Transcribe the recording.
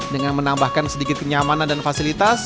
dengan menambahkan sedikit kenyamanan dan fasilitas